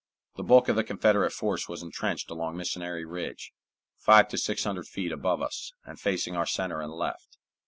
The bulk of the Confederate force was intrenched along Missionary Ridge, five to six hundred feet above us, and facing our center and left.